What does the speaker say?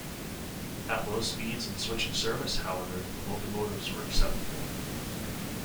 At low speeds in switching service, however, the locomotives were acceptable.